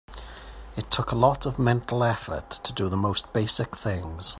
It took a lot of mental effort to do the most basic things.